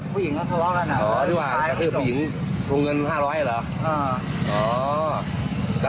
คือผมไม่ได้ไปทำงานคือมันข่าวมาทั้งวัน